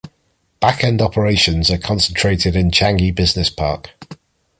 Back-end operations are concentrated in Changi Business Park.